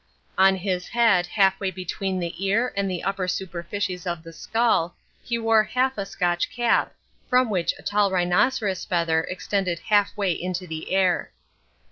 On his head half way between the ear and the upper superficies of the skull he wore half a Scotch cap, from which a tall rhinoceros feather extended half way into the air.